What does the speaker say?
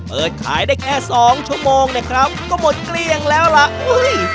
เปิดขายได้แค่สองชั่วโมงเนี่ยครับก็หมดเกลี้ยงแล้วล่ะอุ้ย